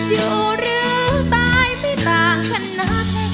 อยู่หรือตายไม่ต่างขนาด